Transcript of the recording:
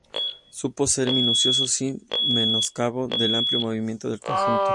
Supo ser minucioso sin menoscabo del amplio movimiento del conjunto.